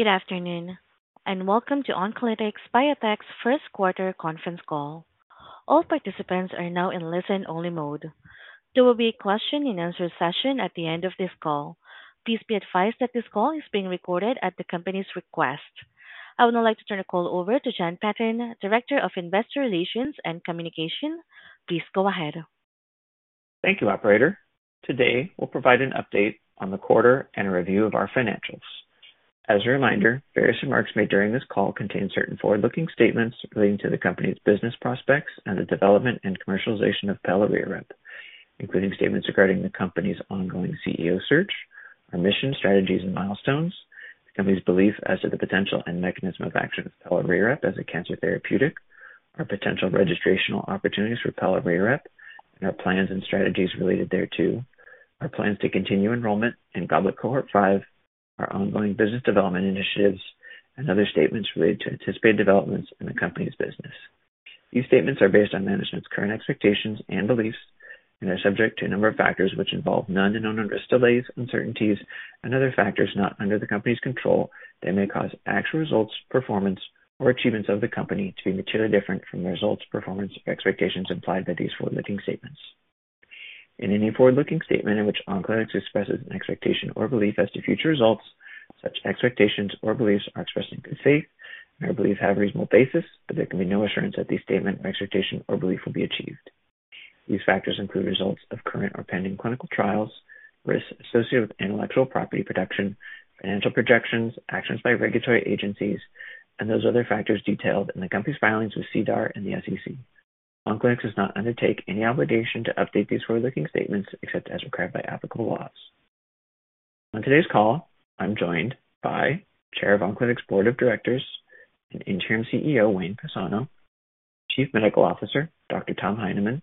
Good afternoon, and welcome to Oncolytics Biotech's first quarter conference call. All participants are now in listen-only mode. There will be a question-and-answer session at the end of this call. Please be advised that this call is being recorded at the company's request. I would now like to turn the call over to Jon Patton, Director of Investor Relations and Communication. Please go ahead. Thank you, Operator. Today, we'll provide an update on the quarter and a review of our financials. As a reminder, various remarks made during this call contain certain forward-looking statements relating to the company's business prospects and the development and commercialization of pelareorep, including statements regarding the company's ongoing CEO search, our mission, strategies, and milestones, the company's belief as to the potential and mechanism of action of pelareorep as a cancer therapeutic, our potential registrational opportunities for pelareorep, and our plans and strategies related thereto, our plans to continue enrollment in GOBLET Cohort 5, our ongoing business development initiatives, and other statements related to anticipated developments in the company's business. These statements are based on management's current expectations and beliefs and are subject to a number of factors which involve non- and unaddressed delays, uncertainties, and other factors not under the company's control that may cause actual results, performance, or achievements of the company to be materially different from the results, performance, or expectations implied by these forward-looking statements. In any forward-looking statement in which Oncolytics expresses an expectation or belief as to future results, such expectations or beliefs are expressed in good faith and are believed to have a reasonable basis, but there can be no assurance that these statements or expectations or beliefs will be achieved. These factors include results of current or pending clinical trials, risks associated with intellectual property protection, financial projections, actions by regulatory agencies, and those other factors detailed in the company's filings with CDAR and the SEC. Oncolytics does not undertake any obligation to update these forward-looking statements except as required by applicable laws. On today's call, I'm joined by Chair of Oncolytics Board of Directors, Interim CEO Wayne Pisano, Chief Medical Officer Dr. Tom Heinemann,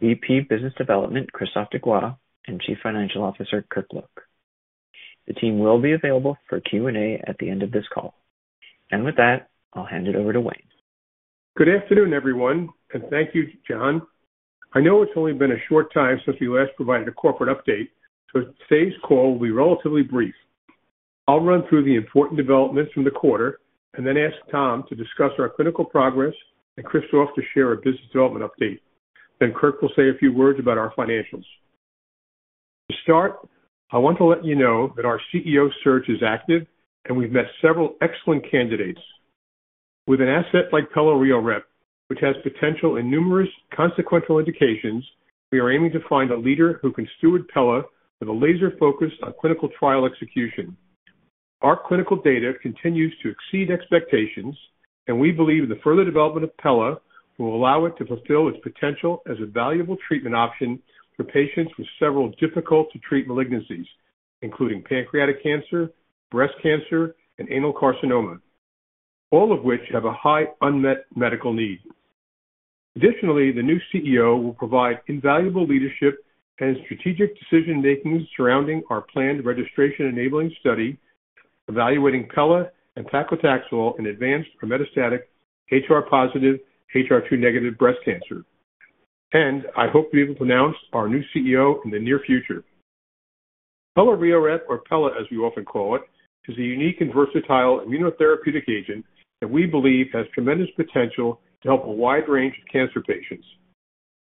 VP Business Development Christophe Degois, and Chief Financial Officer Kirk Look. The team will be available for Q&A at the end of this call. With that, I'll hand it over to Wayne. Good afternoon, everyone, and thank you, Jon. I know it's only been a short time since we last provided a corporate update, so today's call will be relatively brief. I'll run through the important developments from the quarter and then ask Tom to discuss our clinical progress and Christophe to share a business development update. Kirk will say a few words about our financials. To start, I want to let you know that our CEO search is active and we've met several excellent candidates. With an asset like pelareorep, which has potential in numerous consequential indications, we are aiming to find a leader who can steward pela with a laser focus on clinical trial execution. Our clinical data continues to exceed expectations, and we believe the further development of pelareorep will allow it to fulfill its potential as a valuable treatment option for patients with several difficult-to-treat malignancies, including pancreatic cancer, breast cancer, and anal carcinoma, all of which have a high unmet medical need. Additionally, the new CEO will provide invaluable leadership and strategic decision-making surrounding our planned registration-enabling study evaluating pela and paclitaxel in advanced or metastatic HR-positive, HER2-negative breast cancer. I hope we will announce our new CEO in the near future. Pelareorep, or pela as we often call it, is a unique and versatile immunotherapeutic agent that we believe has tremendous potential to help a wide range of cancer patients.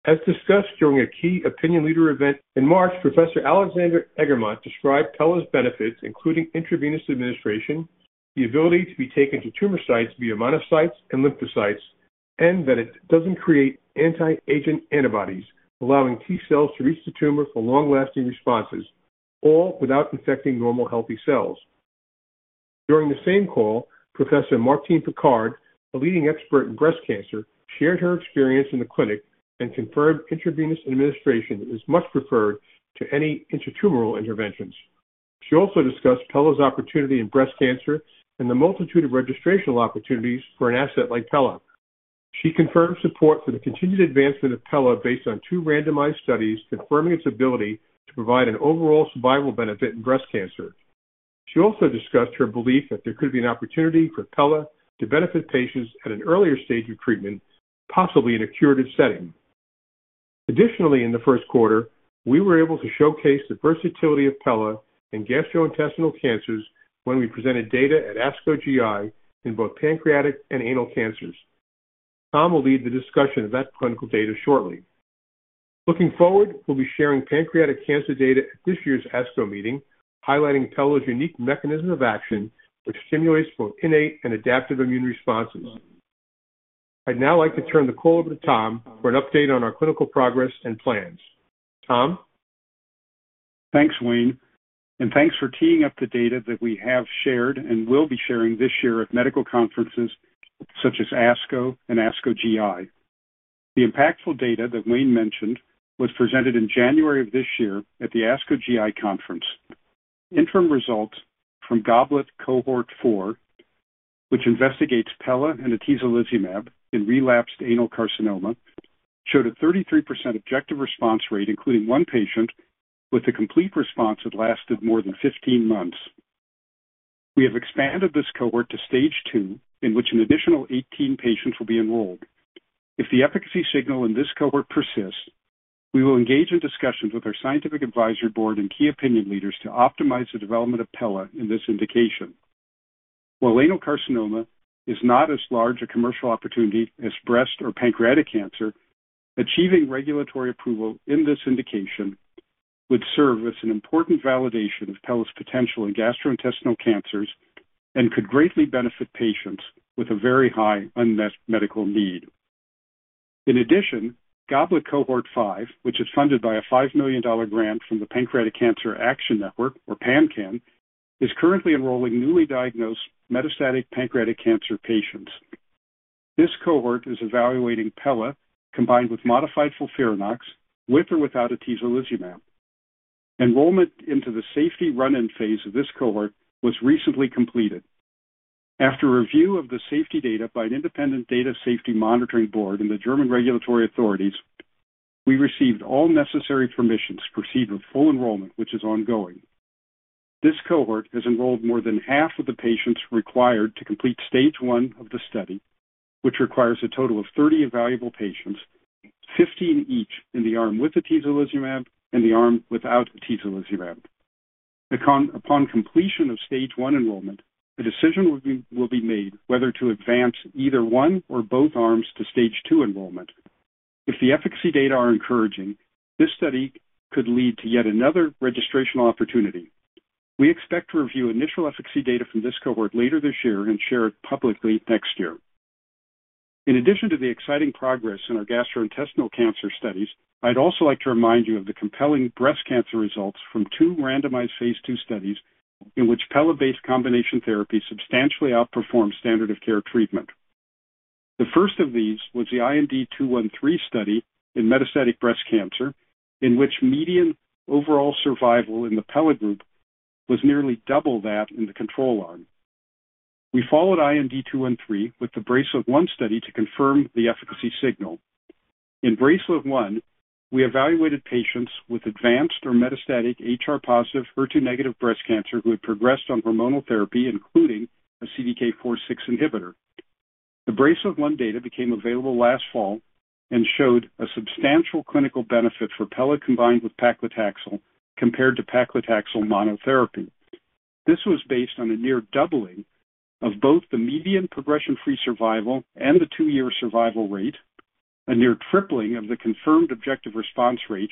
As discussed during a key opinion leader event in March, Professor Alexander Eggermont described pela's benefits, including intravenous administration, the ability to be taken to tumor sites via monocytes and lymphocytes, and that it does not create anti-agent antibodies, allowing T cells to reach the tumor for long-lasting responses, all without infecting normal healthy cells. During the same call, Professor Martine Piccart, a leading expert in breast cancer, shared her experience in the clinic and confirmed intravenous administration is much preferred to any intratumoral interventions. She also discussed pela's opportunity in breast cancer and the multitude of registrational opportunities for an asset like pela. She confirmed support for the continued advancement of pela based on two randomized studies confirming its ability to provide an overall survival benefit in breast cancer. She also discussed her belief that there could be an opportunity for pela to benefit patients at an earlier stage of treatment, possibly in a curative setting. Additionally, in the first quarter, we were able to showcase the versatility of pela in gastrointestinal cancers when we presented data at ASCO GI in both pancreatic and anal cancers. Tom will lead the discussion of that clinical data shortly. Looking forward, we'll be sharing pancreatic cancer data at this year's ASCO meeting, highlighting pela's unique mechanism of action, which stimulates both innate and adaptive immune responses. I'd now like to turn the call over to Tom for an update on our clinical progress and plans. Tom? Thanks, Wayne. Thanks for teeing up the data that we have shared and will be sharing this year at medical conferences such as ASCO and ASCO GI. The impactful data that Wayne mentioned was presented in January of this year at the ASCO GI Conference. Interim results from GOBLET Cohort 4, which investigates pelareorep and atezolizumab in relapsed anal carcinoma, showed a 33% objective response rate, including one patient with a complete response that lasted more than 15 months. We have expanded this cohort to stage two, in which an additional 18 patients will be enrolled. If the efficacy signal in this cohort persists, we will engage in discussions with our scientific advisory board and key opinion leaders to optimize the development of pelareorep in this indication. While anal carcinoma is not as large a commercial opportunity as breast or pancreatic cancer, achieving regulatory approval in this indication would serve as an important validation of pelareorep's potential in gastrointestinal cancers and could greatly benefit patients with a very high unmet medical need. In addition, GOBLET cohort 5, which is funded by a $5 million grant from Pancreatic Cancer Action Network (PanCAN), is currently enrolling newly diagnosed metastatic pancreatic cancer patients. This cohort is evaluating pela combined with modified FOLFIRINOX with or without atezolizumab. Enrollment into the safety run-in phase of this cohort was recently completed. After review of the safety data by an independent data safety monitoring board and the German regulatory authorities, we received all necessary permissions to proceed with full enrollment, which is ongoing. This cohort has enrolled more than half of the patients required to complete stage one of the study, which requires a total of 30 evaluable patients, 15 each in the arm with atezolizumab and the arm without atezolizumab. Upon completion of stage one enrollment, a decision will be made whether to advance either one or both arms to stage two enrollment. If the efficacy data are encouraging, this study could lead to yet another registrational opportunity. We expect to review initial efficacy data from this cohort later this year and share it publicly next year. In addition to the exciting progress in our gastrointestinal cancer studies, I'd also like to remind you of the compelling breast cancer results from two randomized phase two studies in which pela-based combination therapy substantially outperformed standard-of-care treatment. The first of these was the IND-213 study in metastatic breast cancer, in which median overall survival in the pela group was nearly double that in the control arm. We followed IND-213 with the BRACELET-1 study to confirm the efficacy signal. In BRACELET-1, we evaluated patients with advanced or metastatic HR+, HER2-negative breast cancer who had progressed on hormonal therapy, including a CDK4/6 inhibitor. The BRACELET-1 data became available last fall and showed a substantial clinical benefit for pela combined with paclitaxel compared to paclitaxel monotherapy. This was based on a near doubling of both the median progression-free survival and the two-year survival rate, a near tripling of the confirmed objective response rate,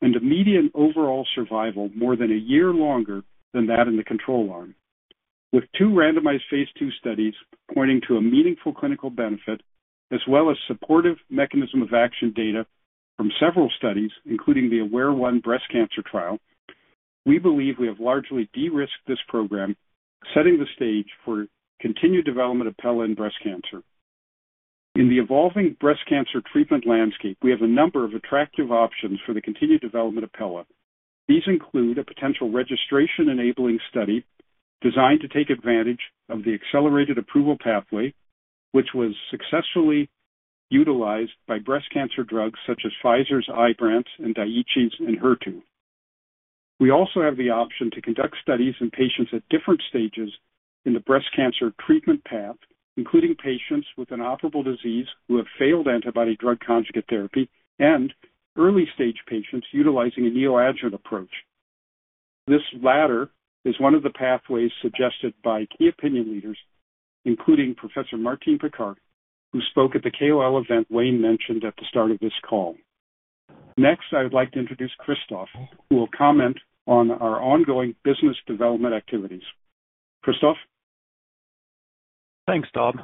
and a median overall survival more than a year longer than that in the control arm. With two randomized phase 2 studies pointing to a meaningful clinical benefit, as well as supportive mechanism of action data from several studies, including the AWARE1 breast cancer trial, we believe we have largely de-risked this program, setting the stage for continued development of pelareorep in breast cancer. In the evolving breast cancer treatment landscape, we have a number of attractive options for the continued development of pelareorep. These include a potential registration-enabling study designed to take advantage of the accelerated approval pathway, which was successfully utilized by breast cancer drugs such as Pfizer's Ibrance and Daiichi Sankyo's Enhertu. We also have the option to conduct studies in patients at different stages in the breast cancer treatment path, including patients with an operable disease who have failed antibody-drug conjugate therapy and early-stage patients utilizing a neoadjuvant approach. This latter is one of the pathways suggested by key opinion leaders, including Professor Martine Piccart, who spoke at the KOL event Wayne mentioned at the start of this call. Next, I would like to introduce Christophe, who will comment on our ongoing business development activities. Christophe? Thanks, Tom.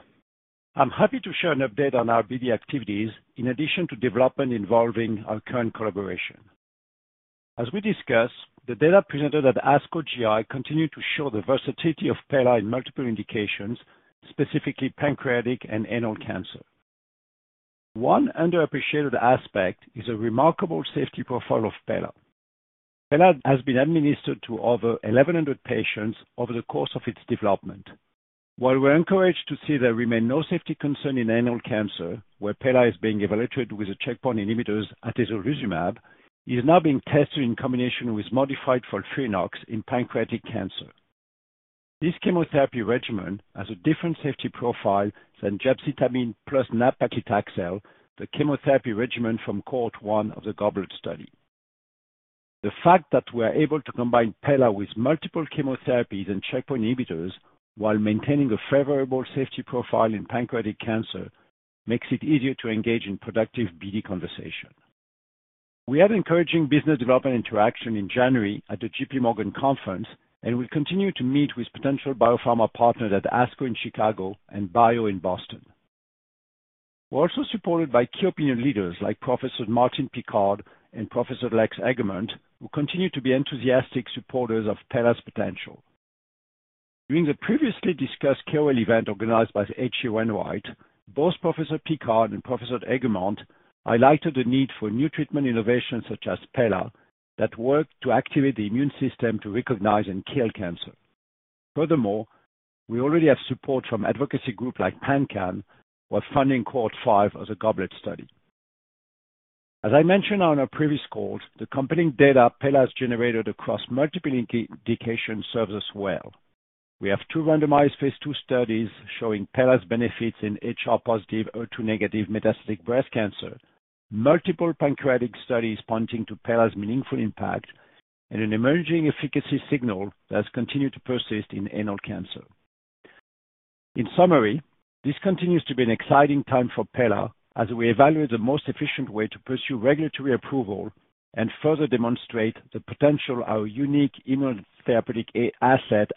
I'm happy to share an update on our BD activities in addition to development involving our current collaboration. As we discussed, the data presented at ASCO GI continue to show the versatility of pela in multiple indications, specifically pancreatic and anal cancer. One underappreciated aspect is a remarkable safety profile of pela. pela has been administered to over 1,100 patients over the course of its development. While we're encouraged to see there remain no safety concern in anal cancer, where pela is being evaluated with a checkpoint inhibitor, atezolizumab, it is now being tested in combination with modified FOLFIRINOX in pancreatic cancer. This chemotherapy regimen has a different safety profile than gemcitabine plus nab-paclitaxel, the chemotherapy regimen from cohort one of the GOBLET study. The fact that we are able to combine pela with multiple chemotherapies and checkpoint inhibitors while maintaining a favorable safety profile in pancreatic cancer makes it easier to engage in productive BD conversation. We had encouraging business development interaction in January at the JPMorgan Conference and will continue to meet with potential biopharma partners at ASCO in Chicago and Bio in Boston. We're also supported by key opinion leaders like Professor Martine Piccart and Professor Alex Eggermont, who continue to be enthusiastic supporters of pela's potential. During the previously discussed KOL event organized by H.C. Wainwright, both Professor Piccart and Professor Eggermont highlighted the need for new treatment innovations, such as pela that work to activate the immune system to recognize and kill cancer. Furthermore, we already have support from advocacy groups like PanCAN, who are funding cohort five of the GOBLET study. As I mentioned on our previous call, the compelling data pela has generated across multiple indications serves us well. We have two randomized phase 2 studies showing pela's benefits in HR-positive, HER2-negative metastatic breast cancer, multiple pancreatic studies pointing to pela's meaningful impact, and an emerging efficacy signal that has continued to persist in anal cancer. In summary, this continues to be an exciting time for pela as we evaluate the most efficient way to pursue regulatory approval and further demonstrate the potential of our unique immunotherapeutic asset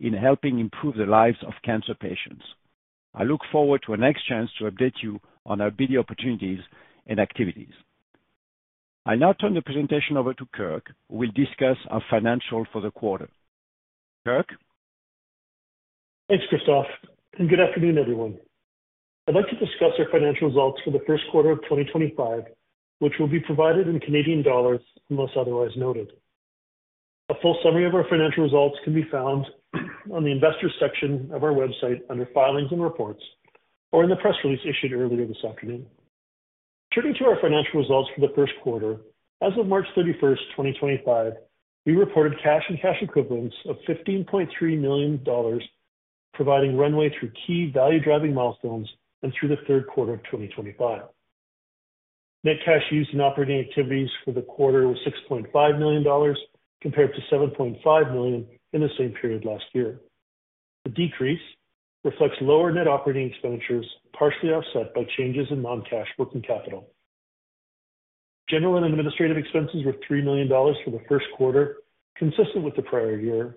in helping improve the lives of cancer patients. I look forward to our next chance to update you on our BD opportunities and activities. I now turn the presentation over to Kirk, who will discuss our financials for the quarter. Kirk? Thanks, Christophe. Good afternoon, everyone. I'd like to discuss our financial results for the first quarter of 2025, which will be provided in CAD unless otherwise noted. A full summary of our financial results can be found on the Investor section of our website under Filings and Reports or in the press release issued earlier this afternoon. Turning to our financial results for the first quarter, as of March 31, 2025, we reported cash and cash equivalents of 15.3 million dollars, providing runway through key value-driving milestones and through the third quarter of 2025. Net cash used in operating activities for the quarter was 6.5 million dollars compared to 7.5 million in the same period last year. The decrease reflects lower net operating expenditures partially offset by changes in non-cash working capital. General and administrative expenses were 3 million dollars for the first quarter, consistent with the prior year.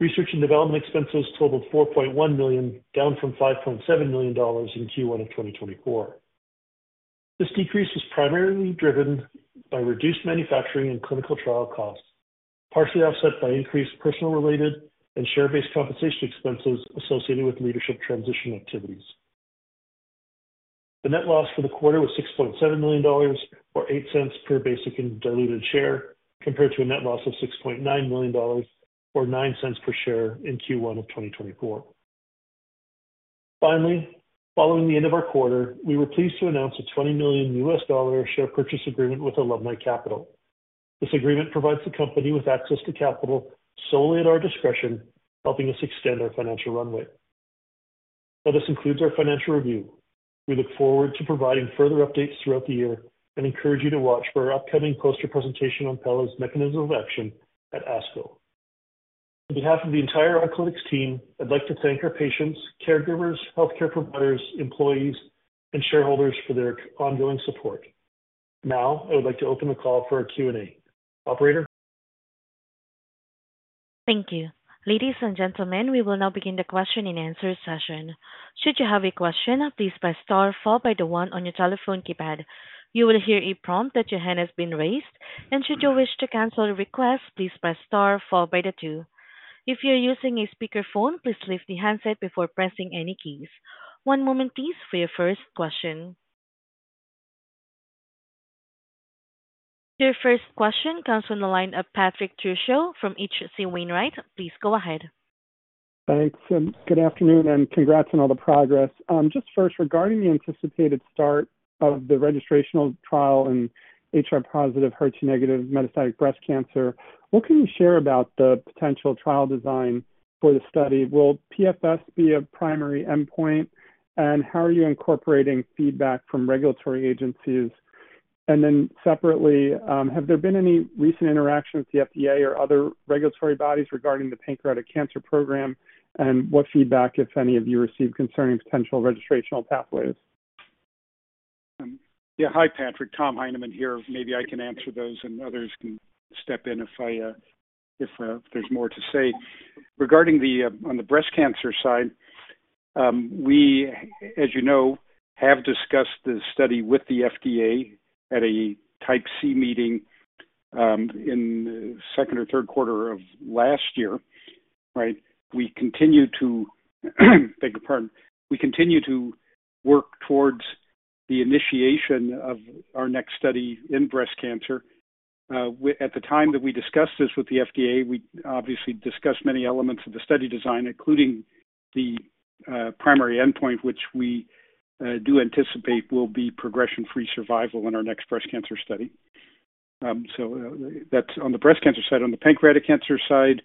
Research and development expenses totaled $4.1 million, down from $5.7 million in Q1 of 2024. This decrease was primarily driven by reduced manufacturing and clinical trial costs, partially offset by increased personnel-related and share-based compensation expenses associated with leadership transition activities. The net loss for the quarter was $6.7 million, or $0.08 per basic and diluted share, compared to a net loss of $6.9 million, or $0.09 per share in Q1 of 2024. Finally, following the end of our quarter, we were pleased to announce a $20 million share purchase agreement with Alumni Capital. This agreement provides the company with access to capital solely at our discretion, helping us extend our financial runway. Now, this concludes our financial review. We look forward to providing further updates throughout the year and encourage you to watch for our upcoming poster presentation on pelareorep's mechanism of action at ASCO. On behalf of the entire Oncolytics team, I'd like to thank our patients, caregivers, healthcare providers, employees, and shareholders for their ongoing support. Now, I would like to open the call for a Q&A. Operator? Thank you. Ladies and gentlemen, we will now begin the question-and-answer session. Should you have a question, please press star followed by the one on your telephone keypad. You will hear a prompt that your hand has been raised. Should you wish to cancel a request, please press star followed by the two. If you are using a speakerphone, please lift the handset before pressing any keys. One moment, please, for your first question. Your first question comes from the line of Patrick Trucchio from H.C. Wainwright. Please go ahead. Thanks. Good afternoon, and congrats on all the progress. Just first, regarding the anticipated start of the registrational trial in HR-positive, HER2-negative metastatic breast cancer, what can you share about the potential trial design for the study? Will PFS be a primary endpoint? How are you incorporating feedback from regulatory agencies? Separately, have there been any recent interactions with the FDA or other regulatory bodies regarding the pancreatic cancer program? What feedback, if any, have you received concerning potential registrational pathways? Yeah. Hi, Patrick. Tom Heineman here. Maybe I can answer those, and others can step in if there's more to say. Regarding the breast cancer side, we, as you know, have discussed the study with the FDA at a type C meeting in the second or third quarter of last year, right? We continue to—pardon—we continue to work towards the initiation of our next study in breast cancer. At the time that we discussed this with the FDA, we obviously discussed many elements of the study design, including the primary endpoint, which we do anticipate will be progression-free survival in our next breast cancer study. That's on the breast cancer side. On the pancreatic cancer side,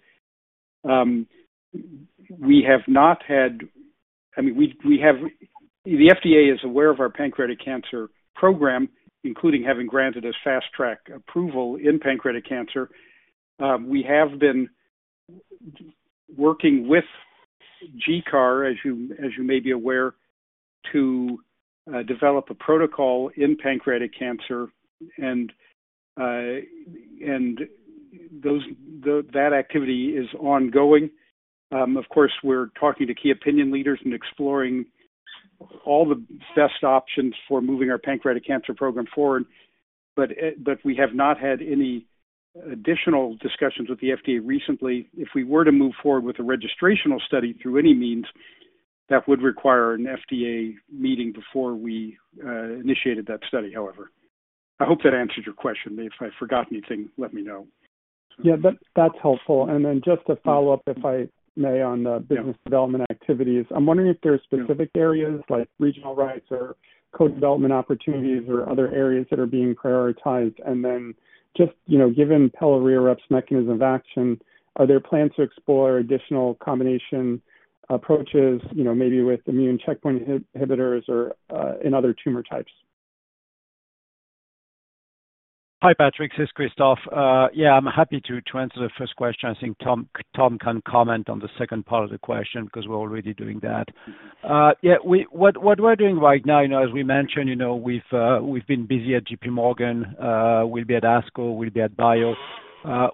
we have not had—I mean, we have—the FDA is aware of our pancreatic cancer program, including having granted us fast-track approval in pancreatic cancer. We have been working with GCAR, as you may be aware, to develop a protocol in pancreatic cancer. That activity is ongoing. Of course, we're talking to key opinion leaders and exploring all the best options for moving our pancreatic cancer program forward. We have not had any additional discussions with the FDA recently. If we were to move forward with a registrational study through any means, that would require an FDA meeting before we initiated that study, however. I hope that answered your question. If I forgot anything, let me know. Yeah. That's helpful. Just to follow up, if I may, on the business development activities, I'm wondering if there are specific areas like regional rights or co-development opportunities, or other areas that are being prioritized. Just given pelareorep or AWARE-1's mechanism of action, are there plans to explore additional combination approaches, maybe with immune checkpoint inhibitors or in other tumor types? Hi, Patrick. This is Christophe. Yeah. I'm happy to answer the first question. I think Tom can comment on the second part of the question because we're already doing that. Yeah. What we're doing right now, as we mentioned, we've been busy at JPMorgan. We'll be at ASCO. We'll be at Bio.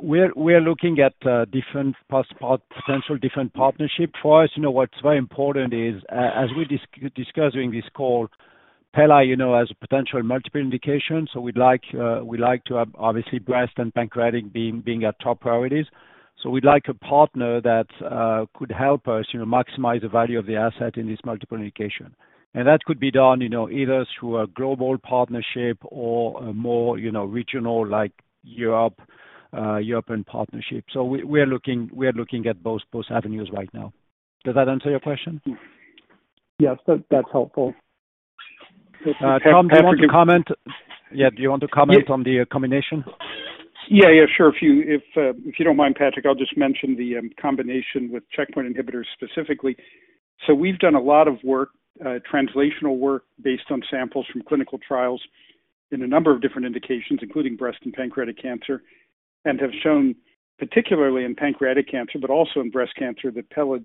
We're looking at different potential different partnerships. For us, what's very important is, as we discussed during this call, Pelareorep has a potential multiple indication. So we'd like to have, obviously, breast and pancreatic being our top priorities. We'd like a partner that could help us maximize the value of the asset in this multiple indication. That could be done either through a global partnership or a more regional, like Europe, European partnership. We are looking at both avenues right now. Does that answer your question? Yeah. That's helpful. Tom, do you want to comment? Yeah. Do you want to comment on the combination? Yeah. Yeah. Sure. If you don't mind, Patrick, I'll just mention the combination with checkpoint inhibitors specifically. So we've done a lot of work, translational work based on samples from clinical trials in a number of different indications, including breast and pancreatic cancer, and have shown, particularly in pancreatic cancer, but also in breast cancer, that pela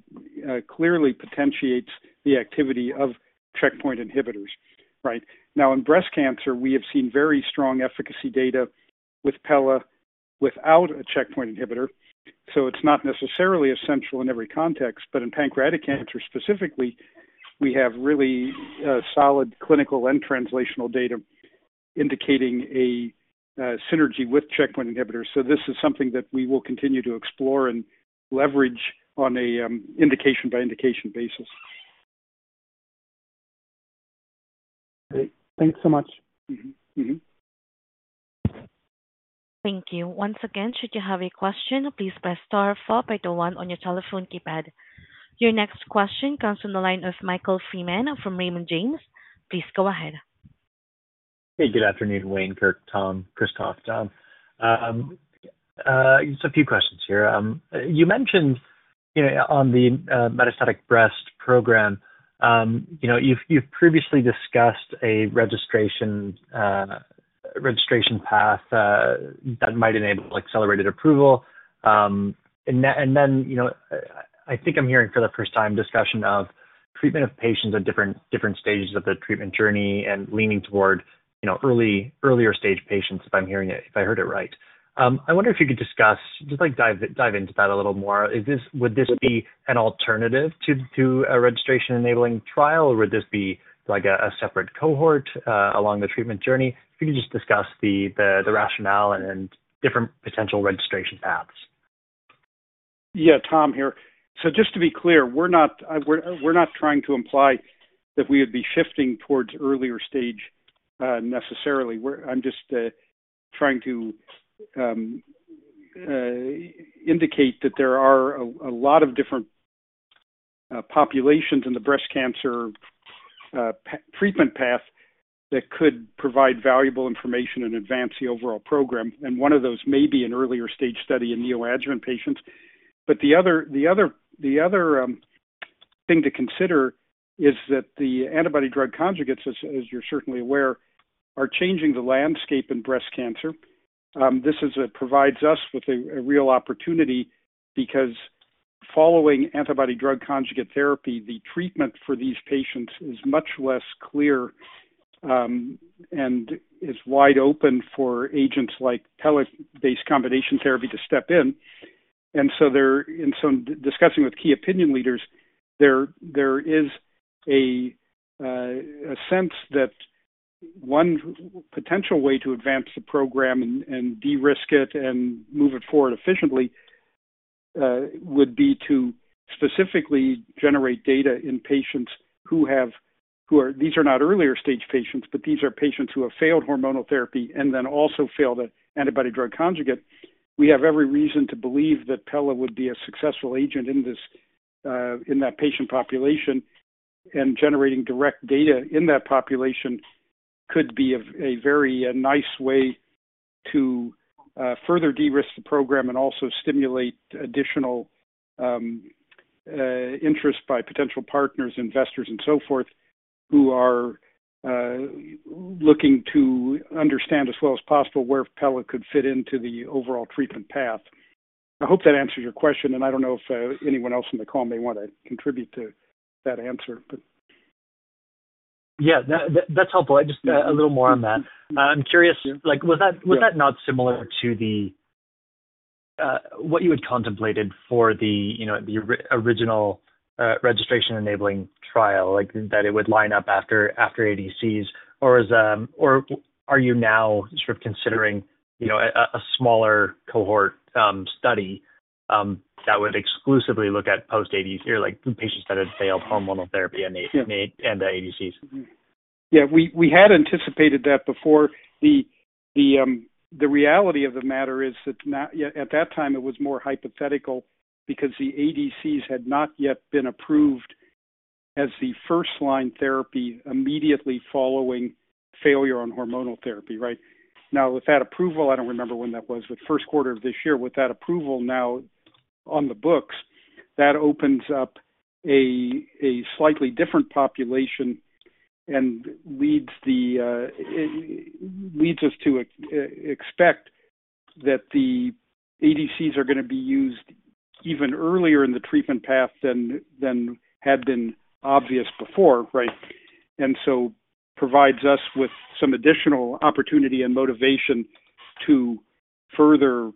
clearly potentiates the activity of checkpoint inhibitors, right? Now, in breast cancer, we have seen very strong efficacy data with pela without a checkpoint inhibitor. So it's not necessarily essential in every context. In pancreatic cancer specifically, we have really solid clinical and translational data indicating a synergy with checkpoint inhibitors. This is something that we will continue to explore and leverage on an indication-by-indication basis. Great. Thanks so much. Thank you. Once again, should you have a question, please press star followed by the one on your telephone keypad. Your next question comes from the line of Michael Freeman from Raymond James. Please go ahead. Hey. Good afternoon, Wayne, Kirk, Tom, Christophe, Jon. Just a few questions here. You mentioned on the metastatic breast program, you've previously discussed a registration path that might enable accelerated approval. I think I'm hearing for the first time discussion of treatment of patients at different stages of the treatment journey and leaning toward earlier stage patients, if I'm hearing it, if I heard it right. I wonder if you could discuss—just dive into that a little more. Would this be an alternative to a registration-enabling trial, or would this be a separate cohort along the treatment journey? If you could just discuss the rationale and different potential registration paths. Yeah. Tom here. Just to be clear, we're not trying to imply that we would be shifting towards earlier stage necessarily. I'm just trying to indicate that there are a lot of different populations in the breast cancer treatment path that could provide valuable information and advance the overall program. One of those may be an earlier-stage study in neoadjuvant patients. The other thing to consider is that the antibody-drug conjugates, as you're certainly aware, are changing the landscape in breast cancer. This provides us with a real opportunity because, following antibody-drug conjugate therapy, the treatment for these patients is much less clear and is wide open for agents like pela-based combination therapy to step in. Discussing with key opinion leaders, there is a sense that one potential way to advance the program and de-risk it, and move it forward efficiently would be to specifically generate data in patients who have—these are not earlier stage patients, but these are patients who have failed hormonal therapy and then also failed an antibody-drug conjugate. We have every reason to believe that pela would be a successful agent in that patient population. Generating direct data in that population could be a very nice way to further de-risk the program and also stimulate additional interest by potential partners, investors, and so forth who are looking to understand as well as possible where pela could fit into the overall treatment path. I hope that answers your question. I don't know if anyone else on the call may want to contribute to that answer, but. Yeah. That's helpful. Just a little more on that. I'm curious, was that not similar to what you had contemplated for the original registration-enabling trial, that it would line up after ADCs? Or are you now sort of considering a smaller cohort study that would exclusively look at post-ADC, like patients that had failed hormonal therapy and ADCs? Yeah. We had anticipated that before. The reality of the matter is that at that time, it was more hypothetical because the ADCs had not yet been approved as the first-line therapy immediately following failure on hormonal therapy, right? Now, with that approval—I do not remember when that was—but first quarter of this year, with that approval now on the books, that opens up a slightly different population and leads us to expect that the ADCs are going to be used even earlier in the treatment path than had been obvious before, right? That provides us with some additional opportunity and motivation to further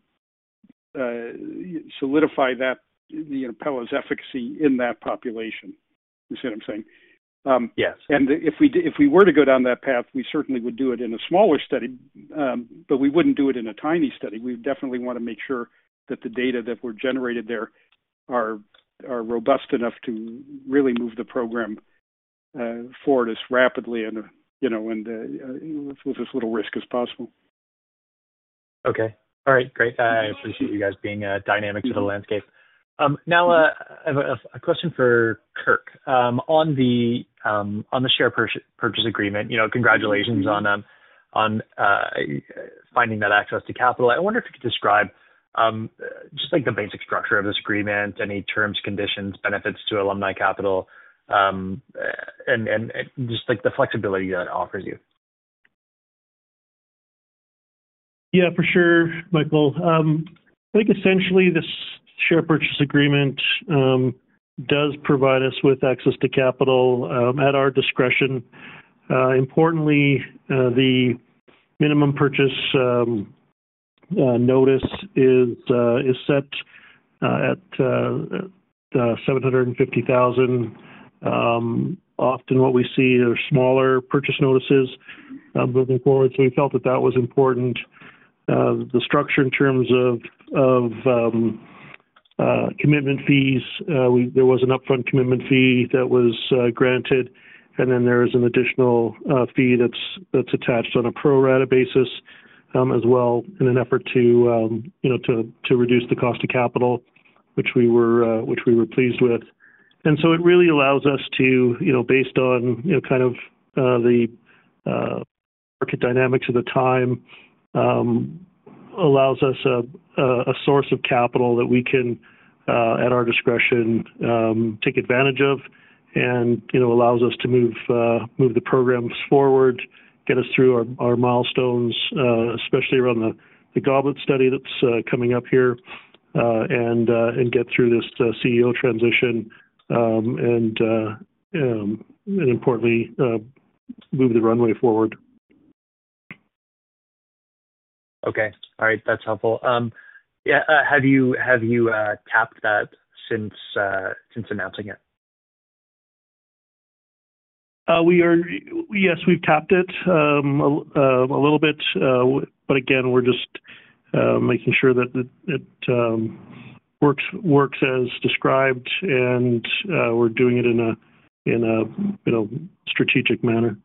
solidify pela's efficacy in that population. You see what I am saying? Yes. If we were to go down that path, we certainly would do it in a smaller study. We would not do it in a tiny study. We would definitely want to make sure that the data that were generated there are robust enough to really move the program forward as rapidly and with as little risk as possible. Okay. All right. Great. I appreciate you guys being dynamic to the landscape. Now, I have a question for Kirk. On the share purchase agreement, congratulations on finding that access to capital. I wonder if you could describe just the basic structure of this agreement, any terms, conditions, benefits to Alumni Capital, and just the flexibility that it offers you. Yeah. For sure, Michael. I think essentially this share purchase agreement does provide us with access to capital at our discretion. Importantly, the minimum purchase notice is set at $750,000. Often, what we see are smaller purchase notices moving forward. We felt that that was important. The structure in terms of commitment fees, there was an upfront commitment fee that was granted. There is an additional fee that is attached on a pro-rata basis as well in an effort to reduce the cost of capital, which we were pleased with. It really allows us to, based on kind of the market dynamics of the time, allows us a source of capital that we can, at our discretion, take advantage of and allows us to move the programs forward, get us through our milestones, especially around the GOBLET study that's coming up here, and get through this CEO transition, and importantly, move the runway forward. Okay. All right. That's helpful. Yeah. Have you tapped that since announcing it? Yes. We've tapped it a little bit. Again, we're just making sure that it works as described, and we're doing it in a strategic manner.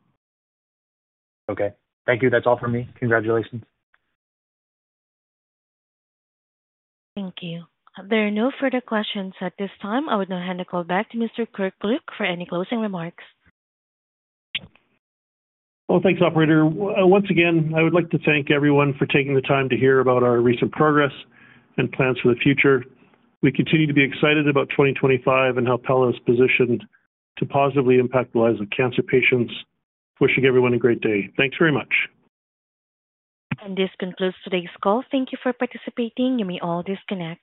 Okay. Thank you. That's all for me. Congratulations. Thank you. There are no further questions at this time. I would now hand the call back to Mr. Kirk Look for any closing remarks. Thanks, operator. Once again, I would like to thank everyone for taking the time to hear about our recent progress and plans for the future. We continue to be excited about 2025 and how pela is positioned to positively impact the lives of cancer patients. Wishing everyone a great day. Thanks very much. This concludes today's call. Thank you for participating. You may all disconnect.